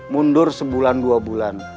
mundur sebulan dua bulan